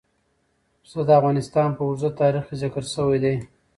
پسه د افغانستان په اوږده تاریخ کې ذکر شوي دي.